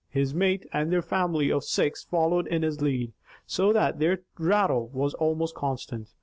His mate, and their family of six followed in his lead, so that their rattle was almost constant.